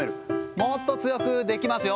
もっと強くできますよ。